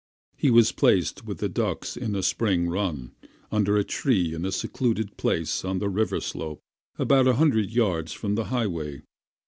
He was placed with the ducks in a spring run, under a tree in a secluded place on the river slope, about a hundred yards from the highway.